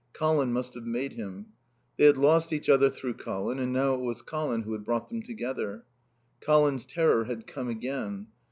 Colin must have made him. They had lost each other through Colin and now it was Colin who had brought them together. Colin's terror had come again.